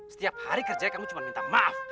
setiap hari kerja kamu cuma minta maaf